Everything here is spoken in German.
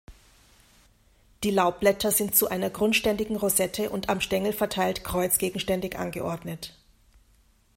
Die Laubblätter sind zu einer grundständigen Rosette und am Stängel verteilt kreuzgegenständig angeordnet.